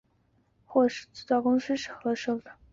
霍纳迪制造公司和手装器具出名。